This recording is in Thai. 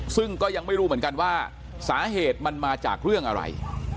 ซึ่งก็ยังไม่รู้เหมือนกันว่าสาเหตุมันมาจากเรื่องอะไร